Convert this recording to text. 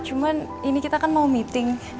cuma ini kita kan mau meeting